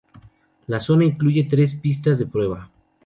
La zona incluye tres pistas de prueba.